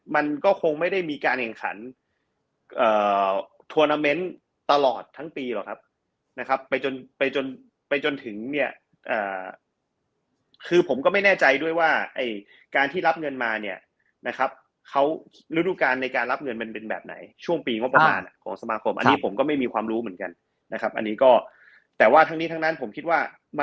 มันก็คงไม่ได้มีการแข่งขันทวนาเมนต์ตลอดทั้งปีหรอกครับนะครับไปจนไปจนไปจนถึงเนี่ยคือผมก็ไม่แน่ใจด้วยว่าไอ้การที่รับเงินมาเนี่ยนะครับเขาฤดูการในการรับเงินมันเป็นแบบไหนช่วงปีงบประมาณของสมาคมอันนี้ผมก็ไม่มีความรู้เหมือนกันนะครับอันนี้ก็แต่ว่าทั้งนี้ทั้งนั้นผมคิดว่ามา